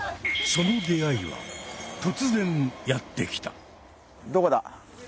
その出会いは突然やって来た！どこだ？